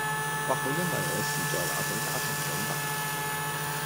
或許因為我是在那種家庭長大